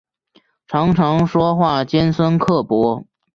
常常说话尖酸刻薄